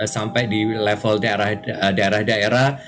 sampai di level daerah daerah